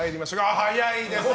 早いです。